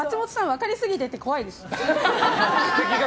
分かりすぎてて怖いです。